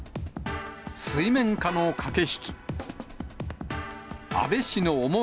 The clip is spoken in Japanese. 水面下の駆け引き。